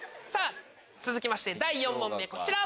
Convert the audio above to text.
続きまして第４問目こちら。